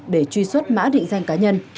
để truy xuất mã định danh cá nhân